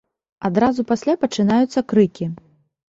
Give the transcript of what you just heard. Адразу пасля пачынаюцца крыкі.